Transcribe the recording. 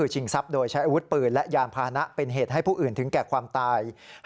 ชิงทรัพย์โดยใช้อาวุธปืนและยานพานะเป็นเหตุให้ผู้อื่นถึงแก่ความตาย